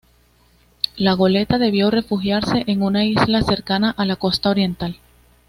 La goleta debió refugiarse en una isla cercana a la costa oriental.